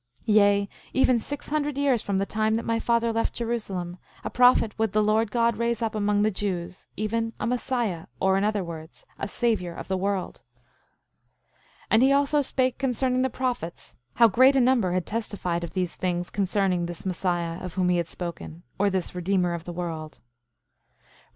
10:4 Yea, even six hundred years from the time that my father left Jerusalem, a prophet would the Lord God raise up among the Jews—even a Messiah, or, in other words, a Savior of the world. 10:5 And he also spake concerning the prophets, how great a number had testified of these things, concerning this Messiah, of whom he had spoken, or this Redeemer of the world.